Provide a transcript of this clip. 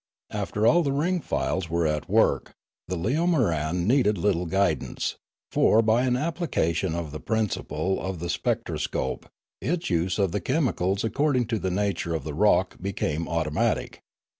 After all the ring files were at work, the leomoran needed little guidance; for by an application of the principle of the spectro scope, its use of the chemicals according to the nature of the rock became automatic.